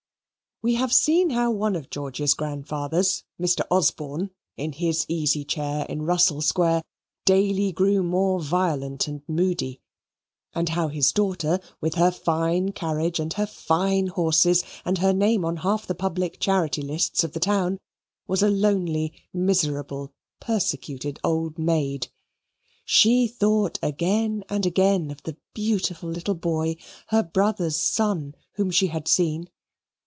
We have seen how one of George's grandfathers (Mr. Osborne), in his easy chair in Russell Square, daily grew more violent and moody, and how his daughter, with her fine carriage, and her fine horses, and her name on half the public charity lists of the town, was a lonely, miserable, persecuted old maid. She thought again and again of the beautiful little boy, her brother's son, whom she had seen.